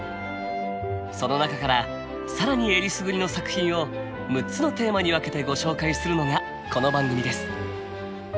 その中から更にえりすぐりの作品を６つのテーマに分けてご紹介するのがこの番組です。